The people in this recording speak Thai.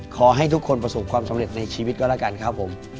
ขอให้ทุกคนประสบความสำเร็จในชีวิตก็แล้วกันครับผม